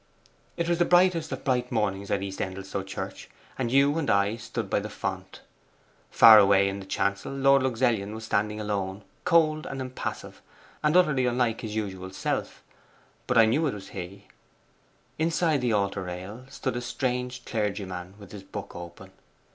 It was the brightest of bright mornings at East Endelstow Church, and you and I stood by the font. Far away in the chancel Lord Luxellian was standing alone, cold and impassive, and utterly unlike his usual self: but I knew it was he. Inside the altar rail stood a strange clergyman with his book open.